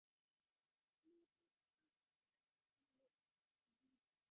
আফসার সাহেব হতাশ গলায় বললেন, আমার মনে হয়না কিছু বুঝতে পারব।